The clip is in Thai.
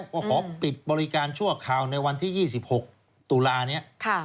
ก็ขอปิดบริการชั่วคราวในวันที่๒๖ตุลานี้